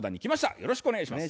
よろしくお願いします。